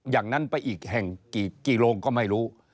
อย่างนั้นไปอีกแห่งกี่โรงก็ไม่รู้